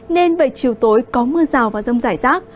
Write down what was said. nên về chiều tối có mưa rào và rông rải rác